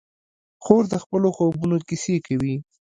خور د خپلو خوبونو کیسې کوي.